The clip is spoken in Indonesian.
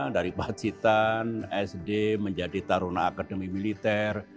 dari bahan sitan sd menjadi taruna akademi militer